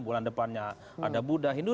bulan depannya ada buddha ini